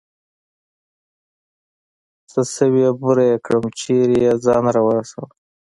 څه سوې بوره يې كړم چېرته يې ځان راورسوه.